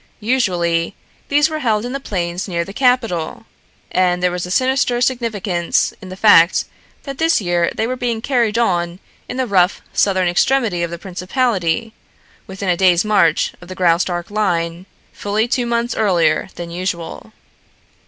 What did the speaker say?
Usually these were held in the plains near the capital, and there was a sinister significance in the fact that this year they were being carried on in the rough southern extremity of the principality, within a day's march of the Graustark line, fully two months earlier than usual.